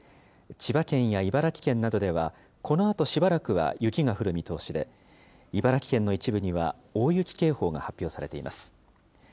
千葉県や茨城県などでは、このあとしばらくは雪が降る見通しで、茨城県の一部には大雪警報が発表されています。